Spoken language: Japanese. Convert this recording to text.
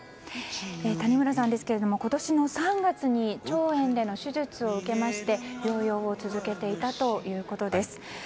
谷村さんですけども今年の３月に腸炎での手術を受けまして療養を続けていたということです。